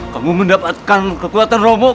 kau mendapatkan kekuatan romohku